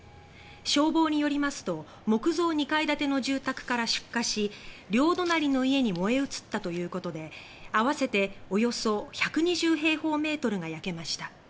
消防によりますと木造２階建ての住宅から出火し両隣の家に燃え移ったということで合わせておよそ１２０平方メートルが焼けました。